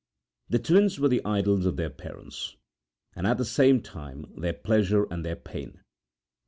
The twins were the idols of their parents, and at the same time their pleasure and their pain.